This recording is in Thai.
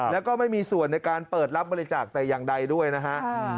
แล้วก็ไม่มีส่วนในการเปิดรับบริจาคแต่อย่างใดด้วยนะฮะ